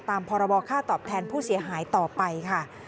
พรบค่าตอบแทนผู้เสียหายต่อไปค่ะ